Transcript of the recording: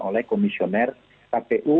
oleh komisioner kpu